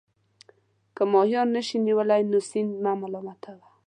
که ماهیان نه شئ نیولای نو سیند مه ملامتوه.